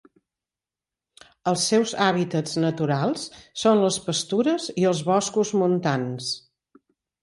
Els seus hàbitats naturals són les pastures i els boscos montans.